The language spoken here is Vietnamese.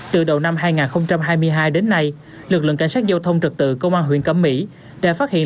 từ đầu năm hai nghìn hai mươi hai đến nay lực lượng cảnh sát giao thông trật tự công an huyện cẩm mỹ đã phát hiện